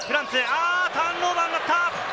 あっと、ターンオーバーになった！